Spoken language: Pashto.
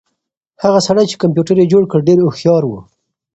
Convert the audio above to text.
هغه سړی چې کمپیوټر یې جوړ کړ ډېر هوښیار و.